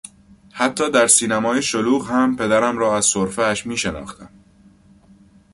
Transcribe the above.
حتی در سینمای شلوغ هم پدرم را از سرفهاش میشناختم.